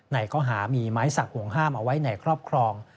ในข้อหามีไม้สักห่วงห้ามเอาไว้ในครอบครอง